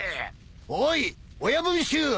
おい親分衆！